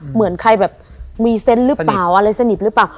เหมือนใครแบบมีเซนต์หรือเปล่าอะไรสนิทหรือเปล่า